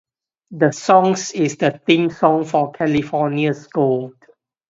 The song is the theme song for "California's Gold".